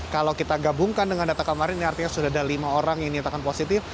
kalau kita gabungkan dengan data kemarin ini artinya sudah ada lima orang yang dinyatakan positif